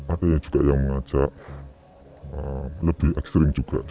artinya juga yang mengajak lebih ekstrim juga ada